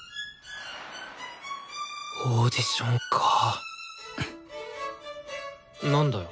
オーディションかなんだよ？